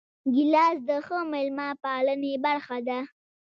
ګیلاس د ښه میلمه پالنې برخه ده.